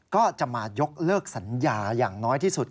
ก็จะมายกเลิกสัญญาอย่างน้อยที่สุด